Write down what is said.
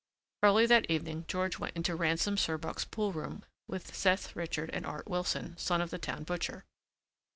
Early that evening George went into Ransom Surbeck's pool room with Seth Richmond and Art Wilson, son of the town butcher.